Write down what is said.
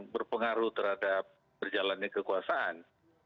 berpengaruh terhadap berjalannya kekuasaan